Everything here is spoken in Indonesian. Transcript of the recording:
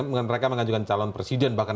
mereka mengajukan calon presiden bahkan